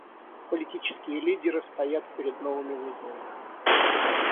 Политические лидеры стоят перед новыми вызовами.